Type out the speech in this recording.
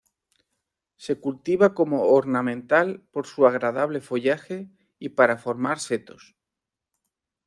Se cultiva como ornamental por su agradable follaje y para formar setos.